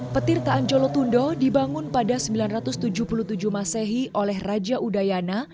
petirtaan colotundo dibangun pada seribu sembilan ratus tujuh puluh tujuh masehi oleh raja udayana